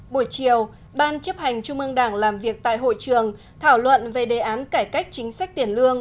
buổi chiều ban chấp hành trung ương đảng làm việc tại hội trường thảo luận về đề án cải cách chính sách tiền lương